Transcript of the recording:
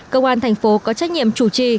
công an thành phố có trách nhiệm chủ trì